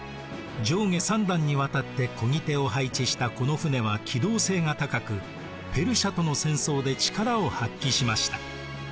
上下３段にわたってこぎ手を配置したこの船は機動性が高くペルシアとの戦争で力を発揮しました。